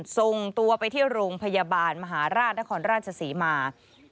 ส่งตัวไปที่โรงพยาบาลมหาราชนครราชศรีมา